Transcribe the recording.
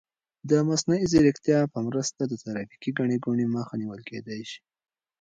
د مصنوعي ځیرکتیا په مرسته د ترافیکي ګڼې ګوڼې مخه نیول کیدای شي.